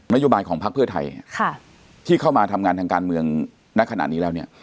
โยบายของพักเพื่อไทยที่เข้ามาทำงานทางการเมืองณขณะนี้แล้วเนี่ย